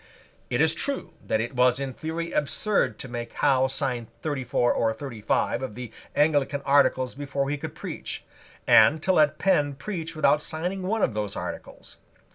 It is true that it was in theory absurd to make Howe sign thirty four or thirty five of the Anglican articles before he could preach, and to let Penn preach without signing one of those articles.